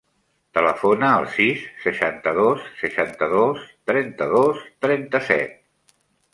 Telefona al sis, seixanta-dos, seixanta-dos, trenta-dos, trenta-set.